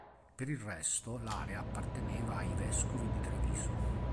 Per il resto, l'area apparteneva ai vescovi di Treviso.